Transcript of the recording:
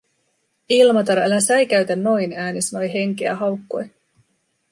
"Ilmatar, älä säikäytä noin", ääni sanoi henkeä haukkoen.